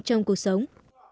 trong cuộc sống